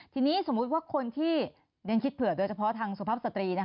ทีนี้สมมุติว่าคนที่เรียนคิดเผื่อโดยเฉพาะทางสุภาพสตรี